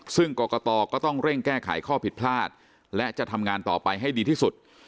ซึ่งกรกตก็ต้องเร่งแก้ไขข้อผิดพลาดและจะทำงานต่อไปให้ดีที่สุด